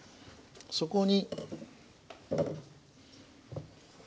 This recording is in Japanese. そこに。